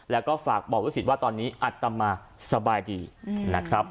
แล้วก็ฝากบอกลูกศิษย์ว่าตอนนี้อัตมาสบายดีนะครับ